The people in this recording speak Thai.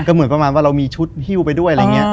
ก็เหมือนประมาณว่าเรามีชุดฮิ้วไปด้วยอะไรอย่างนี้